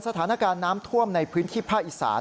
สถานการณ์น้ำท่วมในพื้นที่ภาคอีสาน